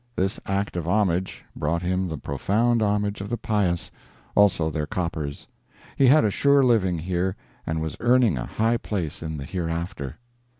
This act of homage brought him the profound homage of the pious also their coppers. He had a sure living here, and was earning a high place in the hereafter.